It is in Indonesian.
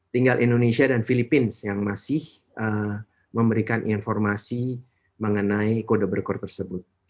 tinggal indonesia dan filipina yang masih memberikan informasi mengenai kode berkor tersebut